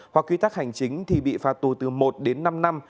hoặc quy tắc hành chính thì bị phạt tù từ một đến năm năm